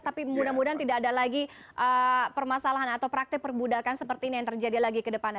tapi mudah mudahan tidak ada lagi permasalahan atau praktik perbudakan seperti ini yang terjadi lagi ke depannya